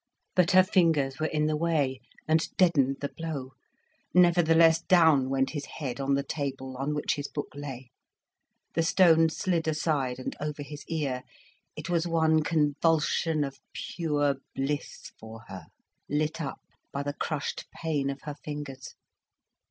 But her fingers were in the way and deadened the blow. Nevertheless, down went his head on the table on which his book lay, the stone slid aside and over his ear, it was one convulsion of pure bliss for her, lit up by the crushed pain of her fingers.